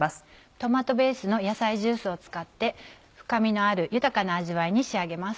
トマトベースの野菜ジュースを使って深みのある豊かな味わいに仕上げます。